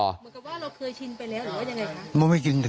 เหมือนกับว่าเราเคยชินไปแล้วหรือว่ายังไงคะ